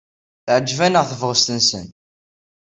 Teɛjeb-aneɣ tebɣest-nnes.